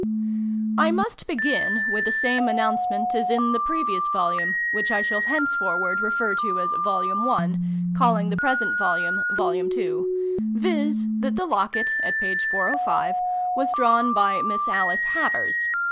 I MUST begin with the same announcement as in the previous Volume (which I shall henceforward refer to as "Vol. I.," calling the present Volume "Vol. II."), viz. that the Locket, at p. 405, was drawn by ' Miss Alice Havers.'